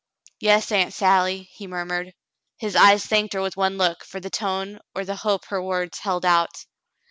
"Yas, Aunt Sally," he murmured. His eyes thanked her with one look for the tone or the hope her words held out.